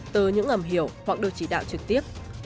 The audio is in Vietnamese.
từ những âm hiểu hoặc được chỉ đạo trực tiếp